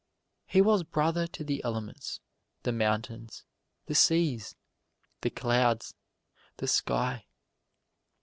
He was brother to the elements, the mountains, the seas, the clouds, the sky.